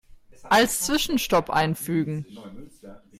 Als Zwischenstopp einfügen.